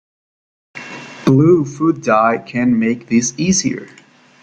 Blue food dye can make this easier.